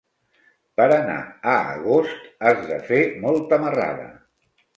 Per anar a Agost has de fer molta marrada.